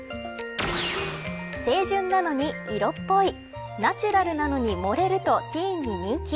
清純なのに色っぽいナチュラルなのに盛れるとティーンに人気。